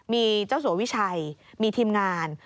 มีเจ้าสัววิชัยมีทีมงาน